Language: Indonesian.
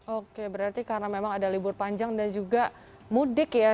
oke berarti karena memang ada libur panjang dan juga mudik ya